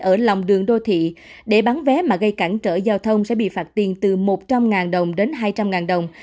ở lòng đường đô thị để bán vé mà gây cản trở giao thông sẽ bị phạt tiền từ một trăm linh đồng đến hai trăm linh đồng